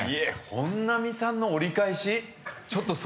本並さんの折り返し？